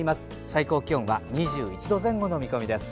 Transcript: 最高気温は２１度前後の見込み。